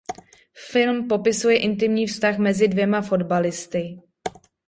Film popisuje intimní vztah mezi dvěma fotbalisty.